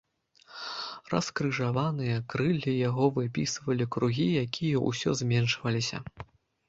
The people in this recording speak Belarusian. Раскрыжаваныя крыллі яго выпісвалі кругі, якія ўсё зменшваліся.